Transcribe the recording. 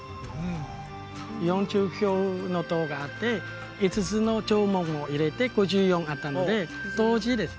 ・４９の塔があって５つの城門を入れて５４あったので当時ですね